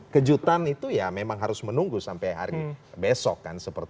karena kejutan itu ya memang harus menunggu sampai besok kan